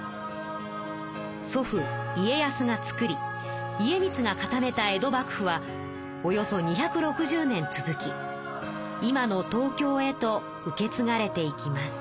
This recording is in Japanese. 祖父家康がつくり家光が固めた江戸幕府はおよそ２６０年続き今の東京へと受けつがれていきます。